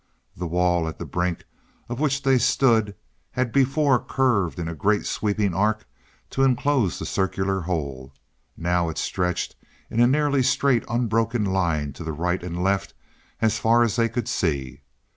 The wall at the brink of which they stood had before curved in a great sweeping arc to enclose the circular hole; now it stretched in a nearly straight, unbroken line to the right and left as far as they could see.